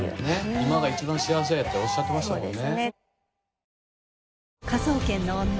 今が一番幸せやっておっしゃってましたもんね。